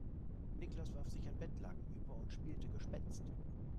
Niklas warf sich ein Bettlaken über und spielte Gespenst.